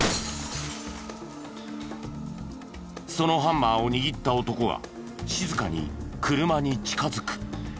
そのハンマーを握った男が静かに車に近づく。